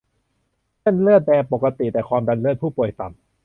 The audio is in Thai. เส้นเลือดแดงปกติ แต่ความดันเลือดผู้ป่วยต่ำ